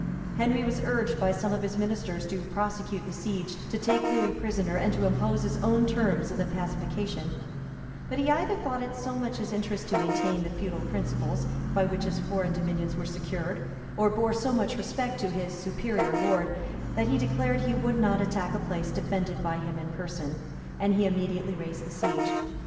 Henry was urged by some of his ministers to prosecute the siege, to take Lewis prisoner, and to impose his own terms in the pacification; but he either thought it so much his interest to maintain the feudal principles, by which his foreign dominions were secured, or bore so much respect to his superior lord, that he declared he would not attack a place defended by him in person; and he immediately raised the siege.